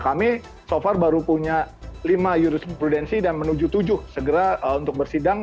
kami so far baru punya lima jurisprudensi dan menuju tujuh segera untuk bersidang